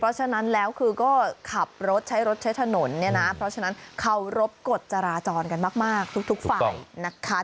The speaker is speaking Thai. เพราะฉะนั้นแล้วคือก็ขับรถใช้รถใช้ถนนเนี่ยนะเพราะฉะนั้นเคารพกฎจราจรกันมากทุกฝ่ายนะคะ